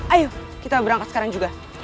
ayo kita berangkat sekarang juga